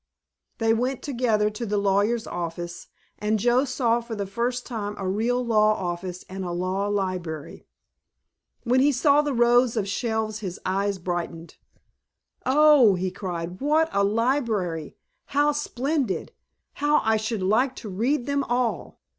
They went together to the lawyer's office, and Joe saw for the first time a real law office and a law library. When he saw the rows of shelves his eyes brightened. "Oh," he cried, "what a library! How splendid! How I should like to read them all!"